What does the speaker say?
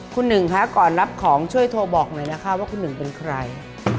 คุณหนึ่งคะก่อนรับของช่วยโทรบอกหน่อยนะคะว่าคุณหนึ่งเป็นใคร